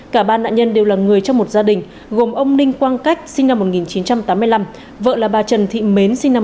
cả ba nạn nhân đều là người trong một gia đình gồm ông ninh quang cách sinh năm một nghìn chín trăm tám mươi năm vợ là bà trần thị mến sinh năm một nghìn chín trăm tám